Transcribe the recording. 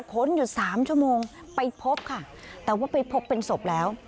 ค้นอยู่สามชั่วโมงไปพบค่ะแต่ว่าไปพบเป็นศพแล้ว